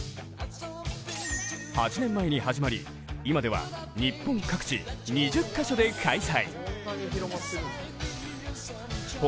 ８年前に始まり、今では日本各地２０か所で開催。